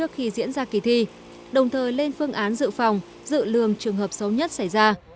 khi diễn ra kỳ thi đồng thời lên phương án dự phòng dự lường trường hợp xấu nhất xảy ra